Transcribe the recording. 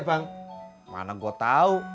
yang terakhir itu